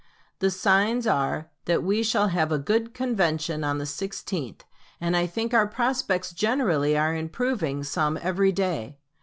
The signs are that we shall have a good convention on the 16th, and I think our prospects generally are improving some every day.